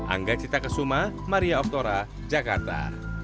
angga cita kesuma maria oktora jakarta